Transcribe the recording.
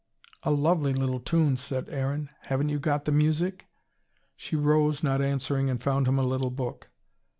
"A lovely little tune," said Aaron. "Haven't you got the music?" She rose, not answering, and found him a little book.